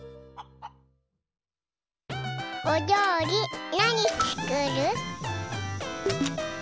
おりょうりなにつくる？